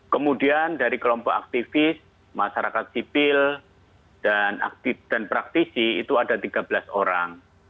kemudian dari kelompok aktivis masyarakat sipil dan praktisi itu ada tiga belas orang